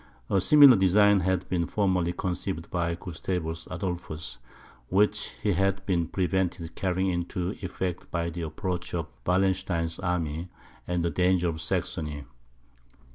A similar design had been formerly conceived by Gustavus Adolphus, which he had been prevented carrying into effect by the approach of Wallenstein's army, and the danger of Saxony.